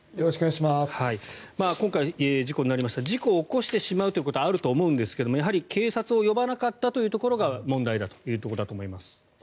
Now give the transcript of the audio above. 今回、事故になりましたが事故を起こしてしまうということはあると思うんですがやはり警察を呼ばなかったということが問題だというところだと思います。